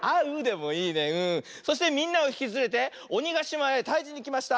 そしてみんなをひきつれておにがしまへたいじにきました！